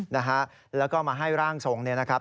นะฮะแล้วก็มาให้ร่างทรงเนี่ยนะครับ